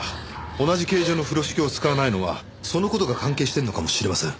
同じ形状の風呂敷を使わないのはその事が関係してるのかもしれません。